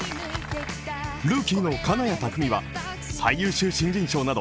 ルーキーの金谷拓実は、最優秀新人賞など